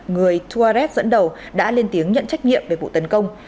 người tuaret dẫn đầu đã lên tiếng nhận trách nhiệm về vụ tấn công